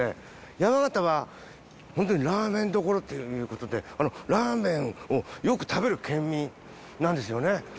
山形はホントにラーメン処っていうことでラーメンをよく食べる県民なんですよね。